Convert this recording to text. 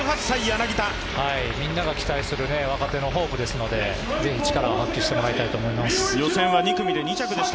柳田大輝選手、みんなが期待する若手のホープですのでぜひ力を発揮してもらいたいと思います。